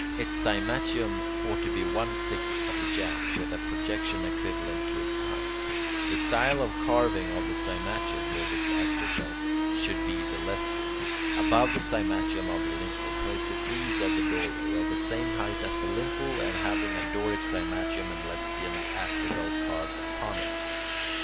Its cymatium ought to be one sixth of the jamb, with a projection equivalent to its height. The style of carving of the cymatium with its astragal should be the Lesbian. Above the cymatium of the lintel, place the frieze of the doorway, of the same height as the lintel, and having a Doric cymatium and Lesbian astragal carved upon it.